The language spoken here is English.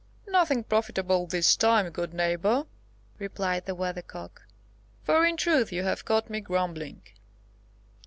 "Nothing profitable this time, good neighbour," replied the Weathercock; "for, in truth, you have caught me grumbling."